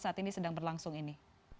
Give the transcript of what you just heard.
saat ini sedang berlangsung ini